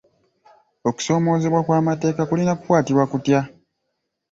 Okusoomoozebwa okw'amateeka kulina kukwatibwa kutya?